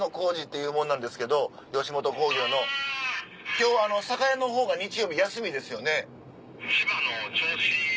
今日酒屋の方が日曜日休みですよね？